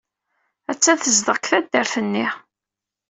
Attan tezdeɣ deg taddart-nni.